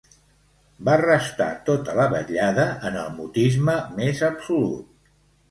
Va restar tota la vetllada en el mutisme més absolut.